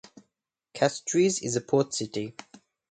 Castries is a port city.